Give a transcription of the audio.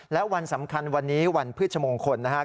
และวันสำคัญวันนี้วันพฤชมงคลนะครับ